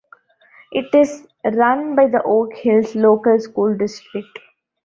It is run by the Oak Hills Local School District.